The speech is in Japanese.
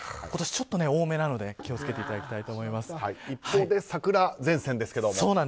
今年、ちょっと多めなので気を付けていただきたいと一方で桜前線ですけれども。